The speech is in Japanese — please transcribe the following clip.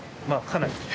まあかなり。